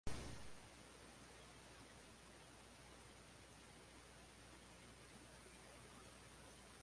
Robert Falla fue el zoólogo asistente.